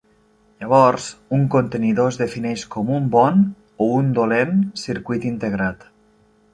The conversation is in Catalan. Llavors, un contenidor es defineix com un bon o un dolent circuit integrat.